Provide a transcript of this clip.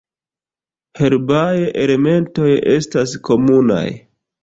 Herbaj elementoj estas komunaj.